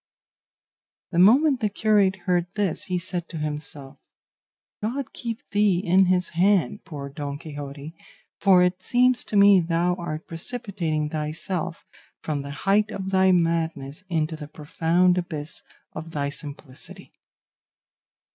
The moment the curate heard this he said to himself, "God keep thee in his hand, poor Don Quixote, for it seems to me thou art precipitating thyself from the height of thy madness into the profound abyss of thy simplicity."